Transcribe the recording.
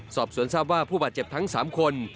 สอบสวนทราบว่าผู้บาดเจ็บทั้ง๓คน